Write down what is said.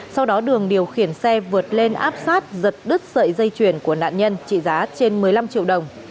sau đó đường điều khiển xe vượt lên áp sát giật đứt sợi dây chuyền của nạn nhân trị giá trên một mươi năm triệu đồng